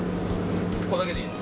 １個だけでいいの？